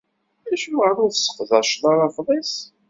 Acuɣer ur tesseqdaceḍ ara afḍis?